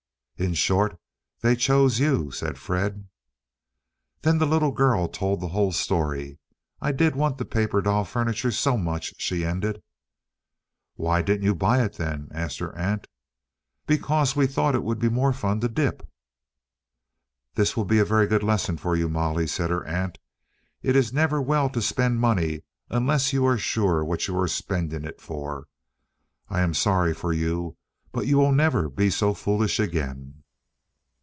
"In short, they chose you," said Fred. Then the little girl told the whole story. "I did want the paper doll furniture so much," she ended. "Why didn't you buy it, then?" asked her aunt. "Because we thought it would be more fun to dip." "This will be a very good lesson for you, Molly," said her aunt. "It is never well to spend money unless you are sure what you are spending it for. I am sorry for you, but you will never be so foolish again."